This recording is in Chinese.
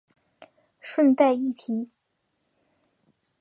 顺带一提